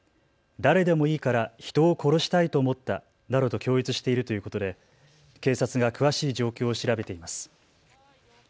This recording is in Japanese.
誰でもいいから人を殺したいと思ったなどと供述しているということで警察が詳しい状況を調べています。